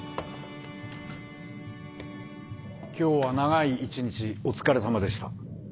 今日は長い一日お疲れさまでした。